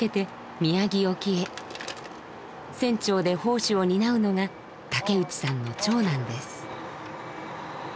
船長で砲手を担うのが竹内さんの長男です。